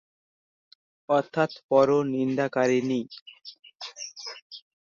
অর্থাৎ পর নিন্দাকারিণী।